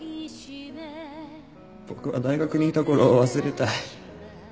僕は大学にいた頃を忘れたい。